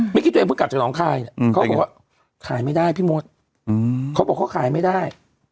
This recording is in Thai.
เมื่อกี้ตัวเองเพิ่งกลับจากหนองคายเขาบอกว่าขายไม่ได้พี่มดเขาบอกเขาขายไม่ได้